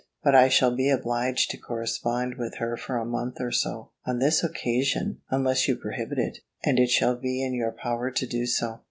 But I shall be obliged to correspond with her for a month or so, on this occasion; unless you prohibit it; and it shall be in your power to do so."